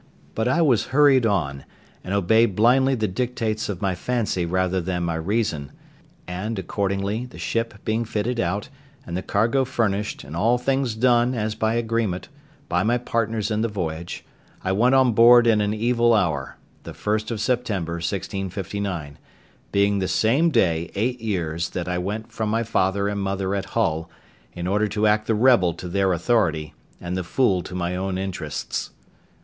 But I was hurried on, and obeyed blindly the dictates of my fancy rather than my reason; and, accordingly, the ship being fitted out, and the cargo furnished, and all things done, as by agreement, by my partners in the voyage, I went on board in an evil hour, the 1st September 1659, being the same day eight years that I went from my father and mother at Hull, in order to act the rebel to their authority, and the fool to my own interests.